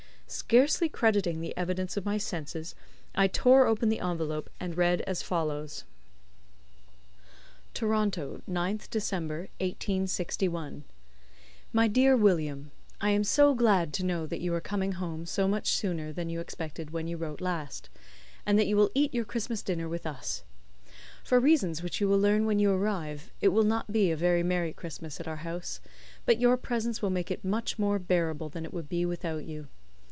Scarcely crediting the evidence of my senses I tore open the envelope, and read as follows: "TORONTO, 9th December, 1861. "MY DEAR WILLIAM I am so glad to know that you are coming home so much sooner than you expected when you wrote last, and that you will eat your Christmas dinner with us. For reasons which you will learn when you arrive, it will not be a very merry Christmas at our house, but your presence will make it much more bearable than it would be without you.